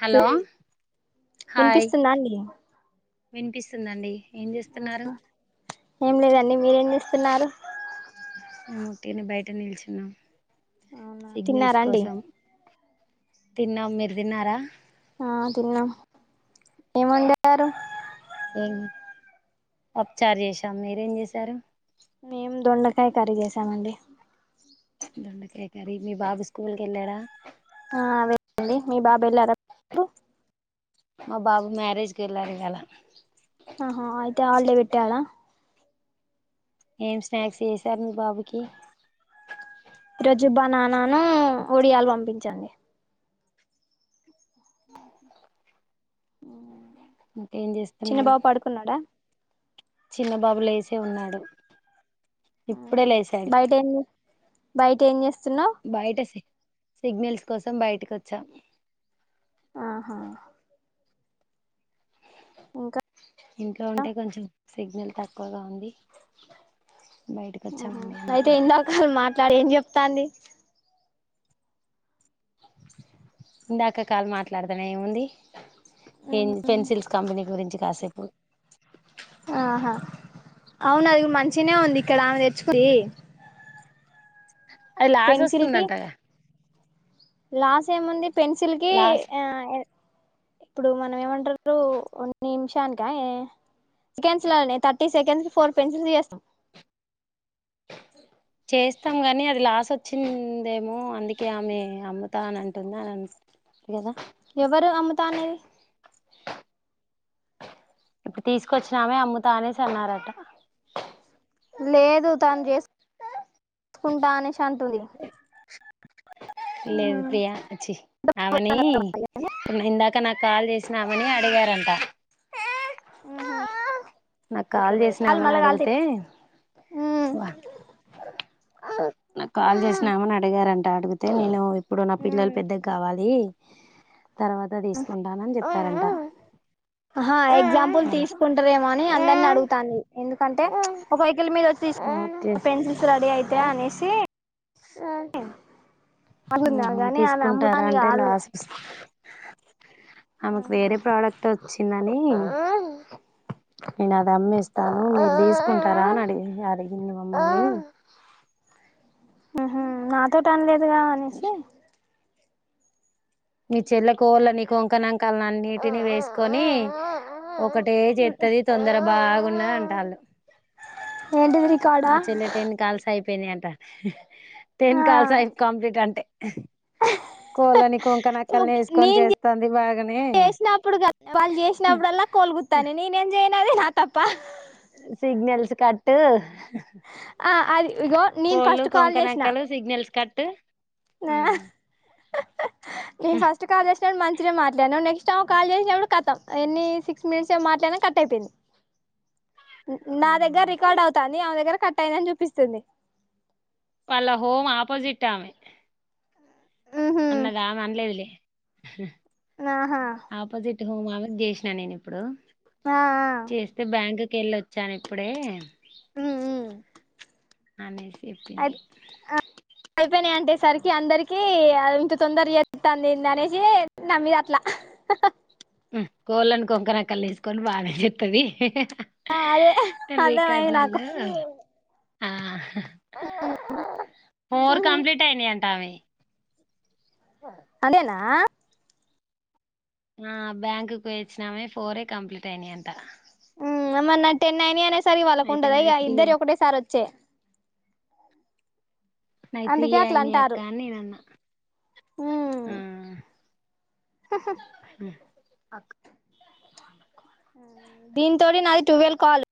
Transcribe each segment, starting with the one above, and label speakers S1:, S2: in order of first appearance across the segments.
S1: Hello hi
S2: వినిపిస్తుందా అండి
S1: వినిపిస్తుందండి ఏం చేస్తున్నారు
S2: ఏం లేదండి మీరేం ఇస్తున్నారు
S1: మేము తిని బయట నిలలచునాం
S2: తిన్నారాండి
S1: తిన్నాం మీరు తిన్నారా
S2: ఆ తిన్నాం ఏం వండారు
S1: ఏం పప్ చారు చేసాం మీరేం చేశారు
S2: మేం దొండకాయ కర్రీ చేసామండి
S1: దొండకాయ కర్రీ మీ బాబు స్కూల్ కెళ్ళాడా
S2: ఆ అవేళ్ళాడండి మీ బాబు వెళ్ళాడ కు
S1: మా బాబు మ్యారేజ్ కి వెళ్ళాడు ఇవాళ
S2: ఆహా అయితే హాలిడే పెట్టాడా
S1: ఏం స్నాక్స్ చేసారు మి బాబుకి
S2: ఈరోజు బనానాను ఒడియాలు పంపించాండి ఆ
S1: ఇంకేం చేస్తున్నారు చిన్న బాబు లేసి ఉన్నాడు ఇప్పుడే
S2: ఆహా
S1: లేసాడు
S2: బయట ఏం బయట ఏం చేస్తున్నావు
S1: బయట సి సిగ్నల్స్ కోసం బయటకొచ్చా
S2: ఆహా ఇంకా
S1: ఇంట్లో ఉంటే కొంచెం సిగ్నల్ తక్కువగా ఉంది బయటకు
S2: ఆ హా
S1: వచ్చామండి
S2: అయితే
S1: అందుకే
S2: ఇందాకల మాట్లాడి ఏం చెప్తాంది
S1: ఇందాక కాలు మాట్లాడతానే ఉంది ఏంది పెన్సిల్స్ కంపెనీ గురించి కాసేపు
S2: ఆహా అవునదిగో మంచినే ఉంది ఇక్కడ ఆమె తెచ్చుకుందీ
S1: అది లాస్ వస్తుందంట గ
S2: లాస్ ఏముంది పెన్సిల్ కి
S1: లాస్
S2: ఆ ఇప్పుడు మనం ఏమంటరు ఒ నిమిషానికా సెంటెన్స్ లోనే థర్టీ సెకండ్స్ కి ఫోర్ పెన్సిల్స్ చేస్తాం
S1: చేస్తాం గానీ అది లాస్ వచ్చిందేమో అందుకే ఆమె అమ్ముతా అని అంటుంది అనం
S2: ఎవరు అమ్ముతా అనేది
S1: ఇప్పుడు తీసుకొచ్చినామే అమ్ము తాఅనేసి అన్నారట
S2: లేదు తను చేసు చేసుకుంటా అనేసి అంటుంది
S1: లేదు ప్రియా ఛి ఆమెని ఇందాక నాకు కాల్ చేసిన ఆమెని అడి గరంటా నాకు కాల్ చేసినా
S2: కాలు
S1: ఆమెను
S2: మళ్ళ కాలితే
S1: అడిగితే వా నాకు కాల్ చేసినా ఆమెని అడిగారంట అడిగితే నేను ఇప్పుడు నా పిల్లలు పెద్దగా కావాలి తర్వాత తీసుకుంటాను అని చెప్పారంట
S2: ఆహా ఎగ్జాంపుల్
S1: అలా
S2: తీసుకుంటారేమో అని అందరిని అడుగుతాంది ఎందుకంటే చ్ ఒక వెహికల్ మీద తిస్
S1: ఓకే
S2: పెన్సి [unintelligible] తే అనేషి అనుకున్నా
S1: ఆహా
S2: గాని ఆమె
S1: తీసుకుంటారు
S2: అమ్ముతాని
S1: అంటే
S2: కాదు
S1: లాస్ ఆమెకు
S2: ఆహా
S1: వేరే ప్రాడక్ట్ వచ్చిందని నేను అది అమ్మి ఇస్తా మీరు తీసుకుంటారా అని అడిగి అడిగింది మమ్మల్ని
S2: ఆహ నాతోటి అన్లేదుగా అనేసి
S1: నీ చెల్ల కోళ్ళని కొంకణాంకాలని అన్నిటిని వేసుకొని ఒకటే చెత్తది తొందర బాగున్నది అంటాళ్ళు
S2: ఏంటిది రికార్డా
S1: మా చెల్లి టెన్ కాల్సయి పోయినాయంట టెన్
S2: ఆ
S1: కల్సాయి కంప్లిట్ అంటే కోళ్ళని కొంకనక్కల్ని ఎసుకొని
S2: నేను
S1: చేస్తుంది బాగానే
S2: చేసినప్పుడు నేనేమ్ జయను అది నా తప్ప
S1: సిగ్నల్స్ కట్
S2: ఆ అది ఇగో నేను
S1: కోళ్ళు,
S2: ఫస్ట్ కాల్ చేసిన
S1: కొంకనక్కలు సిగ్నల్స్ క
S2: నేను ఫస్ట్ కాల్ చేసినప్పుడు మంచిగ్నే మాట్లాడినవ్ స్టవ్ కాల్ చేసినప్పుడు కతం ఎన్ని సిక్స్ మినిట్స్ ఏమె మాట్లడినా కట్ అయిపోయింది. నా దగ్గర రికార్డ్ అవుతాంది ఆమె దగ్గర కట్ అయిందని చూపిస్తుంది.
S1: వాళ్ళ హోమ్ అపోజిట్ ఆమె
S2: ఉహు
S1: అన్నది ఆమె అన్లేదులే హ
S2: ఆహా
S1: అపోజిట్ హోమ్ ఆమెక్ చేసినా నేను ఇప్పుడు
S2: ఆ ఆ
S1: చేస్తే బ్యాంక్ ఎళ్ళొచ్చాను ఇప్పుడే నానిఫ్
S2: అయి అ అయితె నేనంటే సరికి అందరికి ఇంత తొందర చెప్తాంది ఏంది అనేసి నామీద అట్ల
S1: హ్మ్ కోళ్ళని, కొంకనక్కలు ఎసుకొని బాగానే చెత్తది
S2: ఆ అదే అర్థమైంది నాకు
S1: రికార్డులలో ఫోర్ కంప్లీట్ అయినయ నావి
S2: అదేనా
S1: ఆ బ్యాంకుకు వచ్చినామే ఫోరె కంప్లీట్ అయినా అంట
S2: ఆ మళ్ళ టెన్ అయినయి అనే సారికి వాళ్ళకు
S1: అయితే
S2: ఉండదు
S1: నాయి
S2: ఇగా
S1: త్రీయే
S2: ఇద్దరియి ఒకటే సారి వచ్చే
S1: నాయి
S2: అందుకే
S1: త్రీయే
S2: అట్లా
S1: అయినాయి
S2: అంటార్రు
S1: అక్క అని నేను
S2: హ్మ్
S1: అన్నా పక్
S2: దీంతోటి నాది టువెల్ కాల్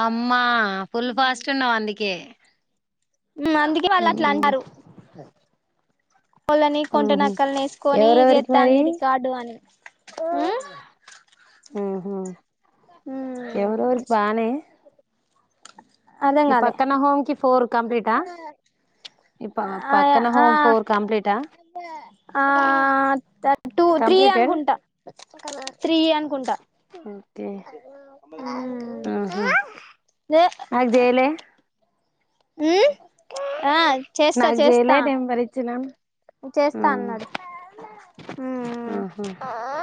S1: అమ్మా ఫుల్ ఫాస్ట్ ఉన్నావు అందుకే
S2: హ్మ్ అందుకే వాళ్ళు అట్ల అన్నరు కోళ్ళని కొంట
S1: ఆహా
S2: నక్కలని ఎసుకొని
S1: ఎవరెవరికి మరి
S2: చెత్తాంది రికార్డు అని
S1: హ్మ్ హు ఎవరెవరిక్ బానేే
S2: అర్థం
S1: ఈ
S2: కాలే
S1: పక్కన హోమ్ కి ఫోర్ కంప్లీటా ఈ ప పక్కన హోమ్
S2: ఆ
S1: ఫోర్ కంప్లీటా
S2: ఆ త టూ, త్రీ
S1: కంప్లీటెడ్
S2: అనుకుంట త్రీ అనుకుంటా
S1: ఓకే ఉహ్మ్
S2: న
S1: జేలే
S2: ఉ ఆ చేస్తా
S1: నాకు చేయలే
S2: చేస్తా
S1: నేను మరి ఇచ్చినాను
S2: చేస్తా అన్నాడు హుమ్మ్
S1: ఆహా